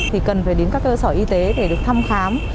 thì cần phải đến các cơ sở y tế để được thăm khám